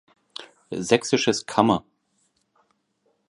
Sächsisches Kammer.